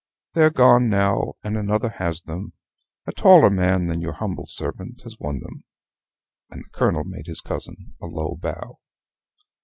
They're gone now, and another has them a taller man than your humble servant has won them." And the Colonel made his cousin a low bow.